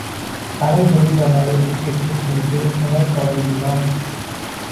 தலை குனிந்தவாறு வீட்டிற்குள் சென்று அழத் தொடங்கினாள்.